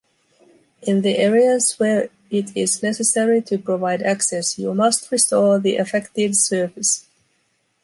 In the areas where it is necessary to provide access, you must restore the affected surface.